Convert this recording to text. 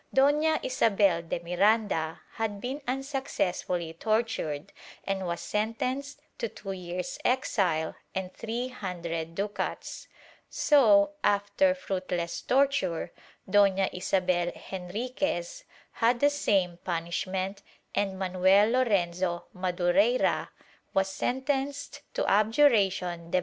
Dona Isabel de Miranda had been unsuccessfully tortured and was sentenced to two years' exile and three hundred ducats. So, after fruitless torture, Dona Isabel Henriquez had the same punishment, and Manuel Lorenzo Madureyra was sentenced to abjuration de vehementi, ' Archive de Alcald, Hacienda, Leg.